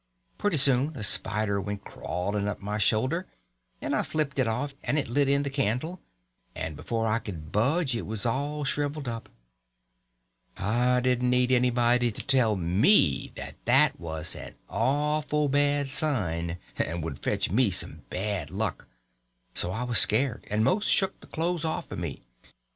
Pretty soon a spider went crawling up my shoulder, and I flipped it off and it lit in the candle; and before I could budge it was all shriveled up. I didn't need anybody to tell me that that was an awful bad sign and would fetch me some bad luck, so I was scared and most shook the clothes off of me.